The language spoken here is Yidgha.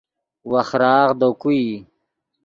وخراغ دے کو ای